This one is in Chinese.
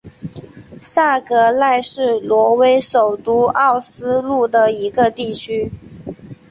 萨格奈是挪威首都奥斯陆的一个地区。